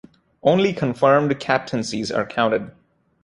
Only confirmed captaincies are counted.